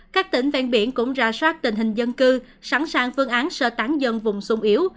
các tỉnh ven biển cũng ra soát tình hình dân cư sẵn sàng phương án sơ tán dân vùng sung yếu